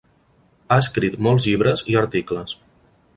Ha escrit molts llibres i articles.